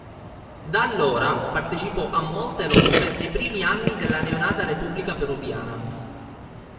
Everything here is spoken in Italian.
Da allora, partecipò a molte lotte nei primi anni della neonata Repubblica peruviana.